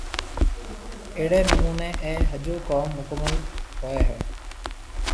اھڙي نموني اي ۿجو ڪوم مڪمل ھوئي ھيَََ